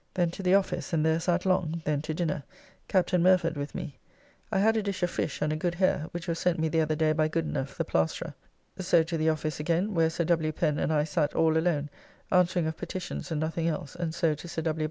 Then to the office, and there sat long, then to dinner, Captain Murford with me. I had a dish of fish and a good hare, which was sent me the other day by Goodenough the plasterer. So to the office again, where Sir W. Pen and I sat all alone, answering of petitions and nothing else, and so to Sir W.